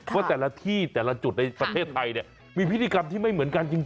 ว่าแต่ละที่แต่ละจุดในประเทศไทยเนี่ยมีพิธีกรรมที่ไม่เหมือนกันจริง